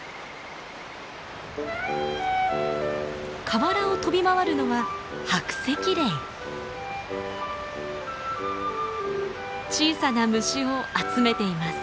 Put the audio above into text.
河原を飛び回るのは小さな虫を集めています。